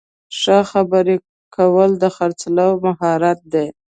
ښه خبرې کول د خرڅلاو مهارت دی.